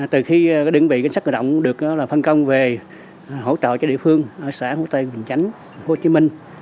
từ khi đơn vị cảnh sát cơ động được phân công về hỗ trợ cho địa phương ở xã hồ tây quỳnh chánh hồ chí minh